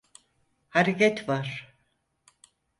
Hareket var.